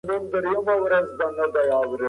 دغه بستونه ټول پلورل شوي دي.